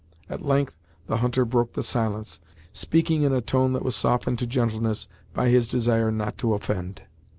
At length the hunter broke the silence, speaking in a tone that was softened to gentleness by his desire not to offend.